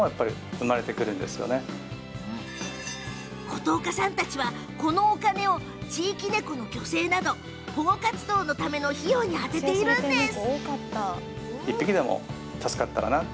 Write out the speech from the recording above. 琴岡さんたちは、このお金を地域猫の去勢など保護活動のための費用に充てているんです。